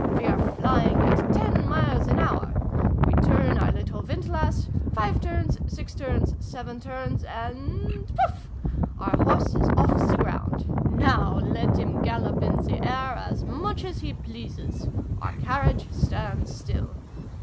We are flying at ten miles an hour ! We turn our little windlass, five turns, six turns, seven turns, and poof! Our horse is off the ground ! Now let him gallop in the air, as much as he pleases : our carriage stands still.